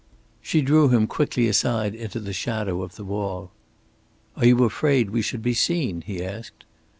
She drew him quickly aside into the shadow of the wall. "Are you afraid we should be seen?" he asked.